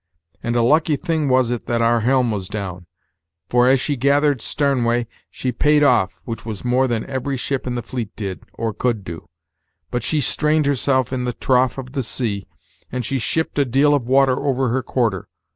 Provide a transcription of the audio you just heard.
And a lucky thing was it that our helm was down; for as she gathered starnway she paid off, which was more than every ship in the fleet did, or could do. But she strained herself in the trough of the sea, and she shipped a deal of water over her quarter.